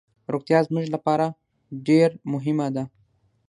روغتیا زموږ لپاره ډیر مهمه ده.